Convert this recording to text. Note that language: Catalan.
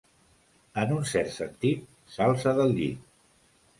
En un cert sentit, s'alça del llit.